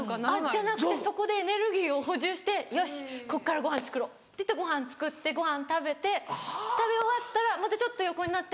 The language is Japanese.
じゃなくてそこでエネルギーを補充して「よしこっからごはん作ろう」っていってごはん作ってごはん食べて食べ終わったらまたちょっと横になって。